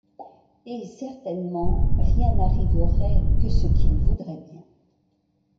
Et, certainement, rien n’arriverait que ce qu’il voudrait bien.